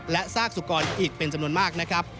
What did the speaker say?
และซากสุกรอีกเป็นจำนวนมากนะครับ